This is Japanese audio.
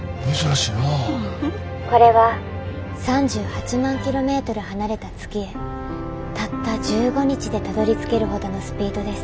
これは３８万キロメートル離れた月へたった１５日でたどりつけるほどのスピードです。